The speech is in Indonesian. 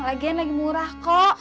lagian lagi murah kok